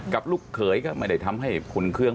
ลูกเขยก็ไม่ได้ทำให้อุ่นเครื่อง